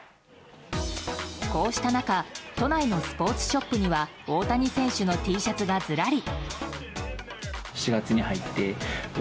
こうした中都内のスポーツショップには大谷選手のＴシャツがずらり。